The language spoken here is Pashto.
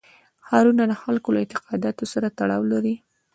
ښارونه د خلکو له اعتقاداتو سره تړاو لري.